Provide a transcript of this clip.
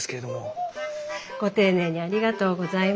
ご丁寧にありがとうございます。